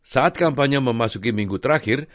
saat kampanye memasuki minggu terakhir